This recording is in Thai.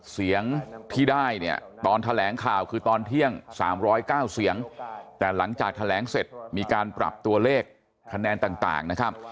เสียงที่ได้เนี่ยตอนแถลงข่าวคือตอนเที่ยง๓๐๙เสียงแต่หลังจากแถลงเสร็จมีการปรับตัวเลขคะแนนต่างนะครับ